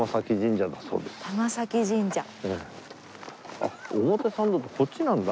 あっ表参道ってこっちなんだ。